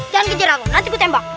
jangan kejar aku nanti gue tembak